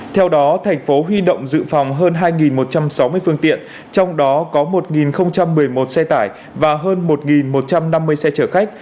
theo đó thành phố huy động dự phòng hơn hai một trăm sáu mươi phương tiện trong đó có một một mươi một xe tải và hơn một một trăm năm mươi xe chở khách